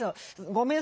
「ごめん。